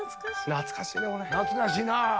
懐かしいな。